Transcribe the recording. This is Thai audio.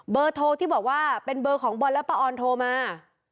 โทรที่บอกว่าเป็นเบอร์ของบอลและป้าออนโทรมา